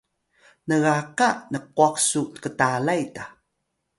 ngaka nqwaq su ktalay ta